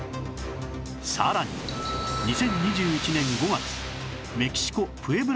さらに２０２１年５月メキシコプエブラ州にも